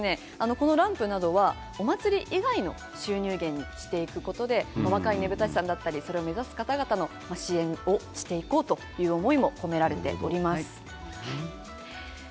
さらにこのランプなどはお祭り以外の収入源にしていくことで若いねぶた師さんや目指す方の心をしていこうという思いも込められております。